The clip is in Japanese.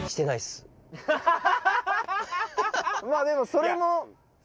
まぁでもそれも。